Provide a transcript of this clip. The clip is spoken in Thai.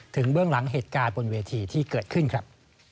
เบื้องหลังเหตุการณ์บนเวทีที่เกิดขึ้นครับ